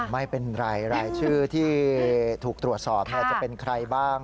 ไม่เป็นไรรายชื่อที่ถูกตรวจสอบจะเป็นใครบ้าง